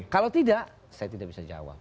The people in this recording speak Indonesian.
kalau tidak saya tidak bisa jawab